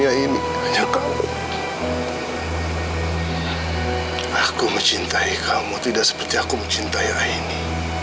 aku mencintai kamu tidak seperti aku mencintai aini